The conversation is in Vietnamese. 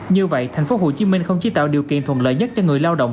như vậy thành phố hồ chí minh không chỉ tạo điều kiện thuận lợi nhất cho người lao động